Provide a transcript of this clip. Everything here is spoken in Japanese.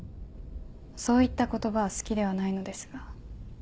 そういった言葉は好きではないのですが。